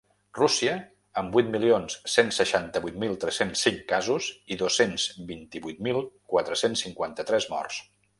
Rússia, amb vuit milions cent seixanta-vuit mil tres-cents cinc casos i dos-cents vint-i-vuit mil quatre-cents cinquanta-tres morts.